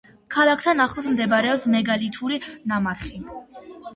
ქალაქთან ახლოს მდებარეობს მეგალითური ნამარხი.